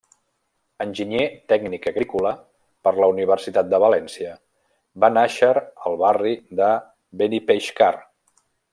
Enginyer Tècnic Agrícola per la Universitat de València, va nàixer al barri de Benipeixcar.